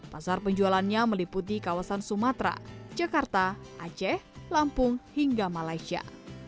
pasar penjualannya meliputi kawasan sumatera jakarta aceh lampung hingga malaysia